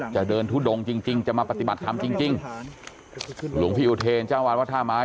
จะเดินทุดงจริงจริงจะมาปฏิบัติธรรมจริงจริงหลวงพี่อุเทรเจ้าวาดวัดท่าไม้